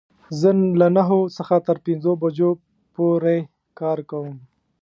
زه له نهو څخه تر پنځو بجو پوری کار کوم